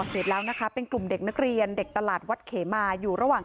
เห็นแล้วนะคะเป็นกลุ่มเด็กนักเรียนเด็กตลาดวัดเขมาอยู่ระหว่าง